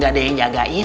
gak ada yang jagain